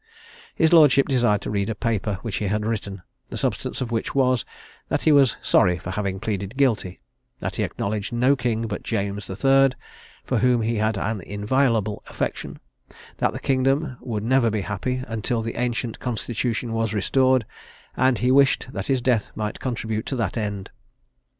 His lordship desired to read a paper which he had written, the substance of which was, that he was sorry for having pleaded guilty; that he acknowledged no king but king James the Third, for whom he had an inviolable affection: that the kingdom would never be happy until the ancient constitution was restored, and he wished that his death might contribute to that end.